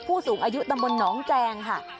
ผู้สูงอายุตำบลหนองแจงค่ะ